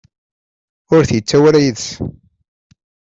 Ur t-yettawi ara yid-s.